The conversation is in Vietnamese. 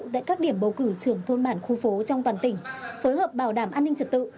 tại các điểm bầu cử trưởng thôn bản khu phố trong toàn tỉnh phối hợp bảo đảm an ninh trật tự